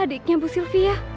adiknya bu sylvia